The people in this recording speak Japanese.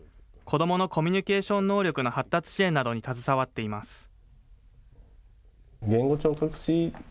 子どものコミュニケーション能力の発達支援などに携わっています。